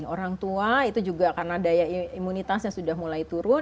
orang tua itu juga karena daya imunitasnya sudah mulai turun